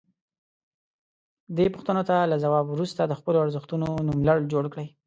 دې پوښتنو ته له ځواب وروسته د خپلو ارزښتونو نوملړ جوړ کړئ.